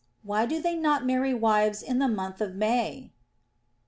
Why do they not marry wives in the month of May?